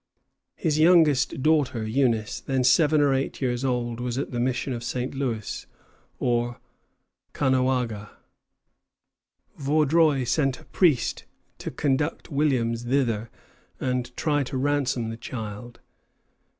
His youngest daughter, Eunice, then seven or eight years old, was at the mission of St. Louis, or Caughnawaga. Vaudreuil sent a priest to conduct Williams thither and try to ransom the child.